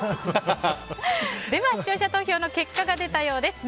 では視聴者投票の結果が出たようです。